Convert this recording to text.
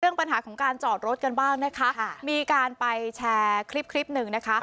ปัญหาของการจอดรถกันบ้างนะคะมีการไปแชร์คลิปคลิปหนึ่งนะคะ